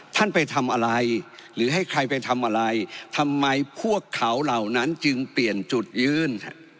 ท่านไปทำอะไรหรือให้ใครไปทำอะไรทำไมพวกเขาเหล่านั้นจึงเปลี่ยนจุดยื่น